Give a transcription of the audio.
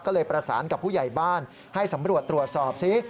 ก็เลยประสานกับผู้ใหญ่บ้านให้สำรวจตรวจสอบซิ